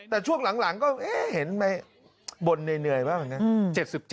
แต่ช่วงหลังก็เห็นไหมบ่นเหนื่อยบ้างอย่างนี้